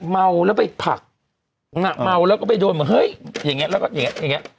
เมาแล้วไปผลักเมาแล้วก็ไปโดนเหมือนเฮ้ยอย่างนี้แล้วก็อย่างเงี้อย่างเงี้